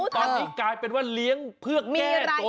ตอนนี้กลายเป็นว่าเลี้ยงเพื่อแก้ตัว